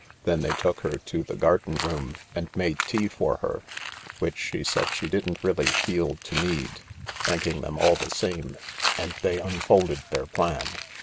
Then they took her to the garden room and made tea for 1U THE LARK 175 her, which she said she didn't really feel to need, thanking them all the same, and they unfolded their plan.